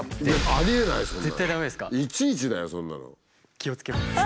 気をつけます。